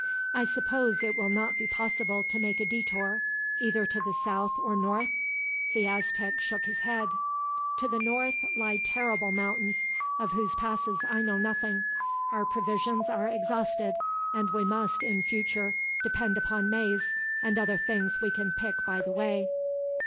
"I suppose it will not be possible to make a detour, either to the south or north?" The Aztec shook his head. "To the north lie terrible mountains, of whose passes I know nothing. Our provisions are exhausted, and we must, in future, depend upon maize and other things we can pick by the way.